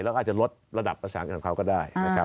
แล้วอาจจะลดระดับประสานของเขาก็ได้